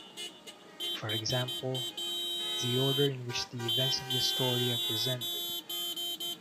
For example, the order in which the events of the story are presented.